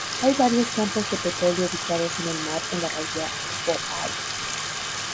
Hay varios campos de petróleo ubicados en el mar en la bahía Bohai.